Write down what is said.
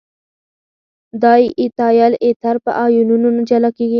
دای ایتایل ایتر په آیونونو نه جلا کیږي.